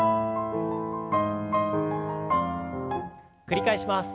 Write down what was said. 繰り返します。